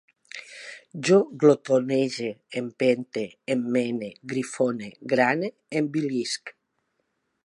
Jo glotonege, empente, emmene, grifone, grane, envilisc